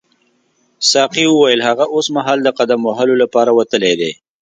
ساقي وویل هغه اوسمهال د قدم وهلو لپاره وتلی دی.